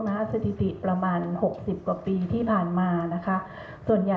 มากที่สุดในช่วงเดือนกันยากับตุลา